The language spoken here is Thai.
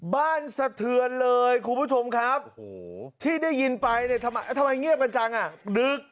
สะเทือนเลยคุณผู้ชมครับที่ได้ยินไปเนี่ยทำไมเงียบกันจังอ่ะดึก